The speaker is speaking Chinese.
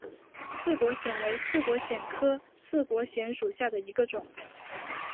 刺果藓为刺果藓科刺果藓属下的一个种。